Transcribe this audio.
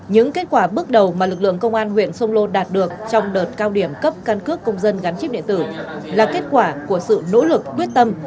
những kết quả bước đầu mà lực lượng công an huyện sông lô đạt được trong đợt cao điểm cấp căn cước công dân gắn chip điện tử là kết quả của sự nỗ lực quyết tâm